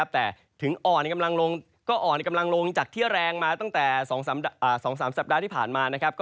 แต่ถึงอ่อนกำลังลงจากเที่ยวแรงมาตั้งแต่๒๓สัปดาห์ที่ผ่านมา